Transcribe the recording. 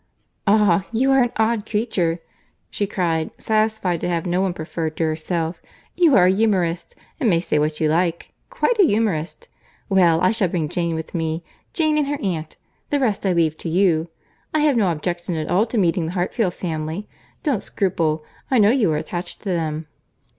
"Ah! you are an odd creature!" she cried, satisfied to have no one preferred to herself.—"You are a humourist, and may say what you like. Quite a humourist. Well, I shall bring Jane with me—Jane and her aunt.—The rest I leave to you. I have no objections at all to meeting the Hartfield family. Don't scruple. I know you are attached to them."